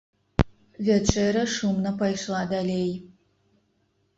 Вячэра шумна пайшла далей.